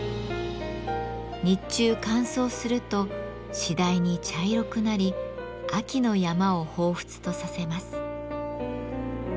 日中乾燥するとしだいに茶色くなり秋の山をほうふつとさせます。